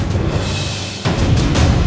sampai jumpa lagi